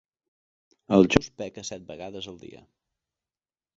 El just peca set vegades al dia.